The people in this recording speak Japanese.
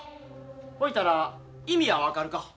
ほいたら意味は分かるか？